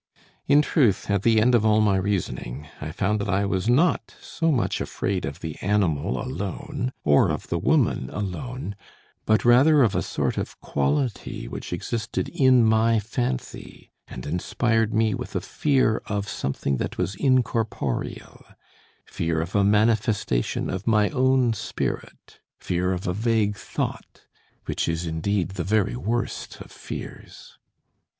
In truth, at the end of all my reasoning, I found that I was not so much afraid of the animal alone or of the woman alone, but rather of a sort of quality which existed in my fancy and inspired me with a fear of something that was incorporeal fear of a manifestation of my own spirit, fear of a vague thought, which is, indeed, the very worst of fears.